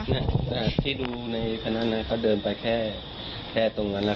ไม่ใช่ที่ดูในภาพนั้นนะเขาเดินไปแค่ตรงนั้นล่ะ